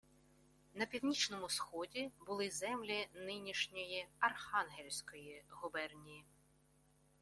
«На північному сході були землі нинішньої Архангельської губернії